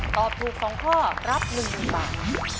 ตอบถูก๒ข้อรับ๑๐๐๐บาท